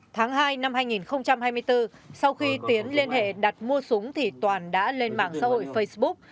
tháng hai năm hai nghìn hai mươi bốn sau khi tiến liên hệ đặt mua súng thì toàn đã lên mạng xã hội facebook